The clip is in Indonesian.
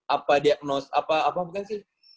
apa diagnos apa apa bukan sih